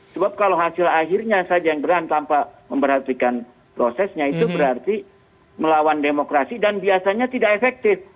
sebab kalau hasil akhirnya saja yang berani tanpa memperhatikan prosesnya itu berarti melawan demokrasi dan biasanya tidak efektif